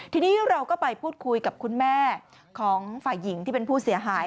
ทีนี้เราก็ไปพูดคุยกับคุณแม่ของฝ่ายหญิงที่เป็นผู้เสียหาย